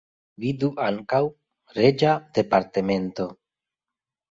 Vidu ankaŭ: Reĝa departemento.